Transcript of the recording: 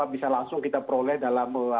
bisa langsung kita peroleh dalam